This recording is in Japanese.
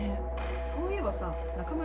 そういえばさ中村